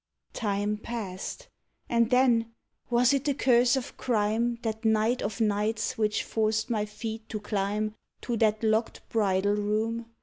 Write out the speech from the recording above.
Time passed. And then was it the curse of crime, That night of nights, which forced my feet to climb To that locked bridal room?